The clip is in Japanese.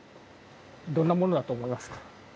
どんなものだと思いますか？